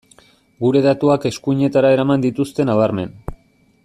Gure datuak eskuinetara eraman dituzte nabarmen.